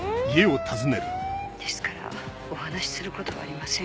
ですからお話しすることはありません。